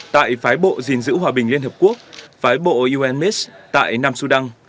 tại phái bộ gìn giữ hòa bình liên hợp quốc phái bộ unmis tại nam sudan